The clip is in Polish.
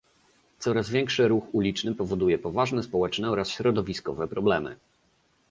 "Coraz większy ruch uliczny powoduje poważne społeczne oraz środowiskowe problemy